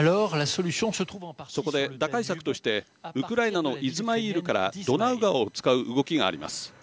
そこで、打開策としてウクライナのイズマイールからドナウ川を使う動きがあります。